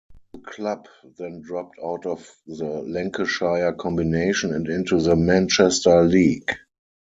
The club then dropped out of the Lancashire Combination and into the Manchester League.